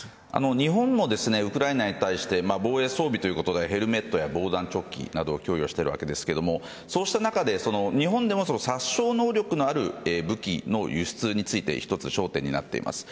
日本もウクライナに対して防衛装備ということでヘルメットや防弾チョッキなどを供与しているわけですがそうした中で日本でも殺傷能力のある武器の輸出についても一つ、焦点になっています。